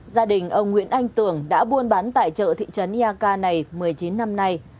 gia đình ông nguyễn anh tưởng đã buôn bán tại chợ thị trấn iaka này một mươi chín năm nay